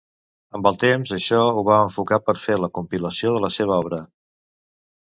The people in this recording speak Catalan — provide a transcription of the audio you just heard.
Amb el temps això ho va enfocar per fer la compilació de la seva obra.